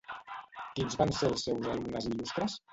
Quins van ser els seus alumnes il·lustres?